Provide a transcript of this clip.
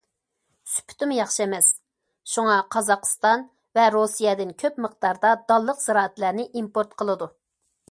سۈپىتىمۇ ياخشى ئەمەس، شۇڭا قازاقىستان ۋە رۇسىيەدىن كۆپ مىقداردا دانلىق زىرائەتلەرنى ئىمپورت قىلىدۇ.